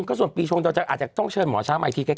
ก็ส่วนปีชงเราอาจจะต้องเชิญหมอช้างมาอีกทีใกล้